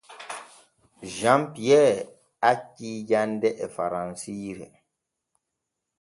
Jean Pierre acci jande e faransiire.